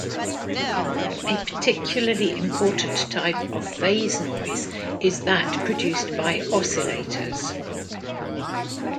A particularly important type of phase noise is that produced by oscillators.